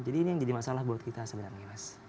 jadi ini yang jadi masalah buat kita sebenarnya mas